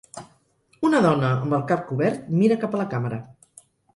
Una dona amb el cap cobert mira cap a la càmera